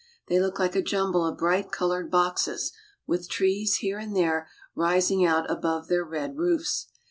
They look like a jumble of bright colored boxes, with trees here and there rising out above their red roofs.